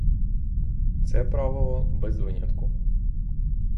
Це правило — без винятку.